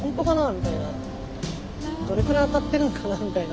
みたいなどれくらい当たってるのかなみたいな。